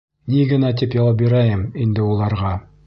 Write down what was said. Ни генә тип яуап бирәйем инде уларға?